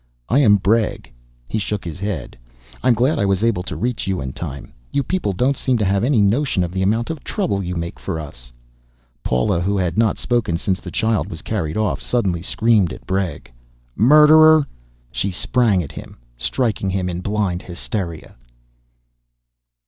"I am Bregg." He shook his head. "I'm glad I was able to reach you in time. You people don't seem to have any notion of the amount of trouble you make for us " Paula, who had not spoken since the child was carried off, suddenly screamed at Bregg, "Murderer!" She sprang at him, striking him in blind hysteria.